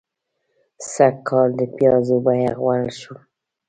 سږکال د پيازو بيه غول شوه.